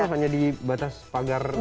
itu hanya di batas pagar rumahnya saja